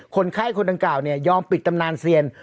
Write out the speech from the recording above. คนไข้คนต่างกล่าวเนี่ยยอมปิดตำนานเซียน